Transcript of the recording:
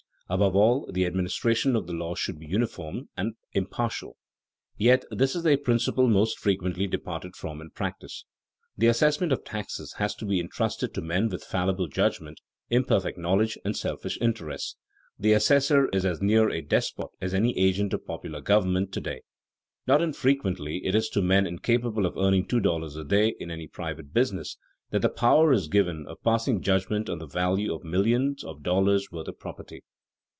Above all, the administration of the law should be uniform and impartial, yet this is a principle most frequently departed from in practice. The assessment of taxes has to be intrusted to men with fallible judgment, imperfect knowledge, and selfish interests. The assessor is as near a despot as any agent of popular government to day. Not infrequently it is to men incapable of earning two dollars a day in any private business that the power is given of passing judgment on the value of millions of dollars' worth of property.